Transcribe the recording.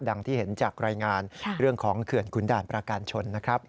ที่เห็นจากรายงานเรื่องของเขื่อนขุนด่านประการชนนะครับ